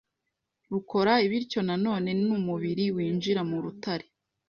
rukora bityo nanone ni umubiri winjira mu rutare